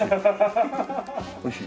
おいしい？